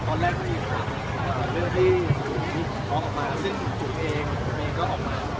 ตอนแรกมีเรื่องที่มีของออกมาซึ่งจุดเองมีก็ออกมา